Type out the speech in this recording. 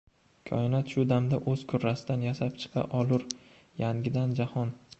Koinot shu damda o‘z kurrasidan -yasab chiqa olur yangidan jahon.